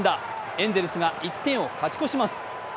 エンゼルスが１点を勝ち越します。